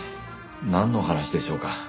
なんの話でしょうか？